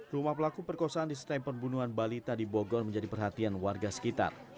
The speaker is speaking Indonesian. rumah pelaku perkosaan di stem pembunuhan balita di bogor menjadi perhatian warga sekitar